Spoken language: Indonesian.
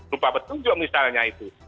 lupa petunjuk misalnya itu